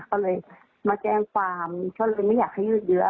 ก็เลยมาแจ้งความก็เลยไม่อยากให้ยืดเยอะ